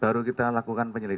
baru kita lakukan penyelidikan